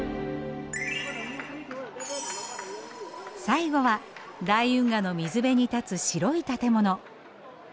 最後は大運河の水辺に立つ白い建物。